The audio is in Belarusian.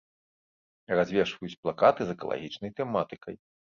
Развешваюць плакаты з экалагічнай тэматыкай.